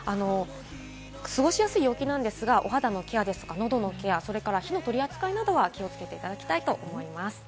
過ごしやすい陽気なんですが、お肌のケアとか、のどのケア、火の取り扱いなどは気をつけていただきたいと思います。